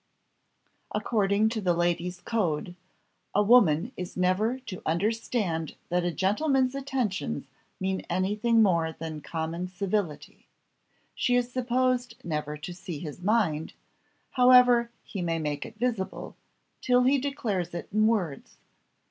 According to the ladies' code, a woman is never to understand that a gentleman's attentions mean anything more than common civility; she is supposed never to see his mind, however he may make it visible, till he declares it in words.